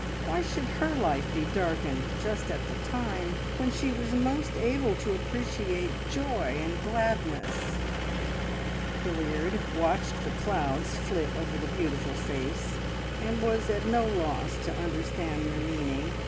Why should her life be darkened just at the time when she was most able to appreciate joy and gladness? Hilliard watched the clouds flit over the beautiful face, and was at no loss to understand their meaning.